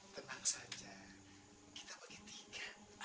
tenang saja kita bagi tiga